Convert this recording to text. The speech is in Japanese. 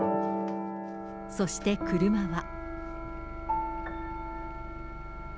そして車は。